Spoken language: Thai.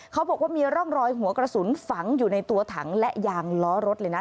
เขาบอกว่ามีร่องรอยหัวกระสุนฝังอยู่ในตัวถังและยางล้อรถเลยนะ